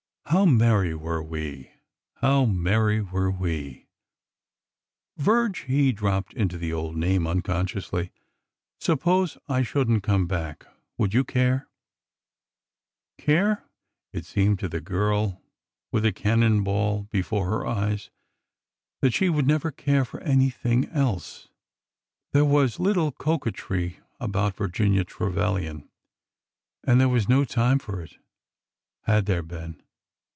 How merry were we! how merry were we I" '' Virge !" He dropped into the old name uncon sciously. Suppose I should n't come back. Would you care ?" Care! It seemed to the girl, with the cannon ball be fore her eyes, that she would never care for anything else. There was little coquetry about Virginia Trevilian, and this was no time for it, had there been.